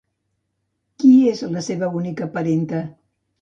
Qui és la seva única parenta?